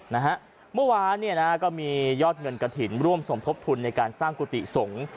เมื่อวานเนี่ยนะฮะก็มียอดเงินกระถิ่นร่วมสมทบทุนในการสร้างกุฏิสงฆ์